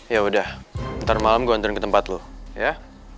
yaudah ntar malem gue anturin ke tempat lu ya